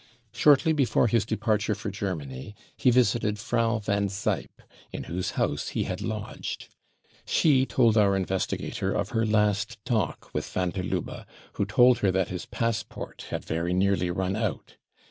Shortly before his departure for Germany he visited Frau van Zijp, in whose house he had lodged. She told our investigator of her last talk with van der Lubbe, who told her that his passport had Very nearly run out.